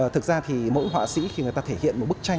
thực ra thì mỗi họa sĩ khi người ta thể hiện một bức tranh